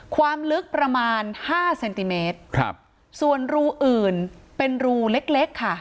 ความลึกประมาณห้าเซนติเมตรครับส่วนรูอื่นเป็นรูเล็กเล็กค่ะ